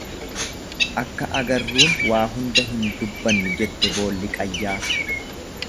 Akka agarruun waa hunda hin dubbannu jette boolli qayyaa.